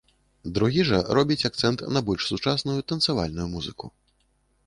Другі жа робіць акцэнт на больш сучасную, танцавальную музыку.